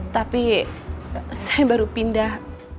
tapi saya baru pindah